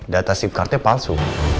data sim cardnya palsu